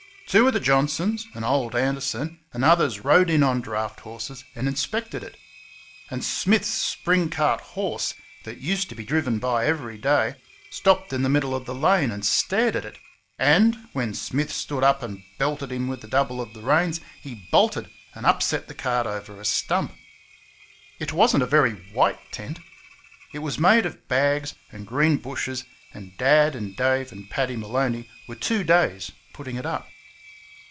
Two of the Johnsons and old Anderson and others rode in on draught horses and inspected it. And Smith's spring cart horse, that used to be driven by every day, stopped in the middle of the lane and stared at it; and, when Smith stood up and belted him with the double of the reins, he bolted and upset the cart over a stump. It was n't a very white tent. It was made of bags and green bushes, and Dad and Dave and Paddy Maloney were two days putting it up.